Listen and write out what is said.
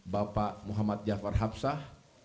bapak muhammad jafar hapsah